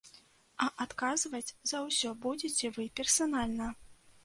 А адказваць за ўсё будзеце вы персанальна.